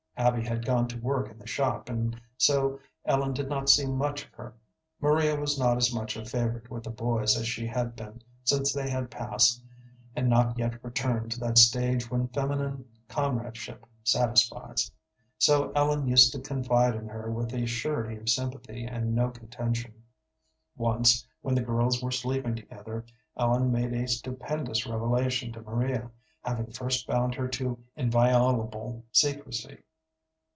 Abby had gone to work in the shop, and so Ellen did not see so much of her. Maria was not as much a favorite with the boys as she had been since they had passed and not yet returned to that stage when feminine comradeship satisfies; so Ellen used to confide in her with a surety of sympathy and no contention. Once, when the girls were sleeping together, Ellen made a stupendous revelation to Maria, having first bound her to inviolable secrecy.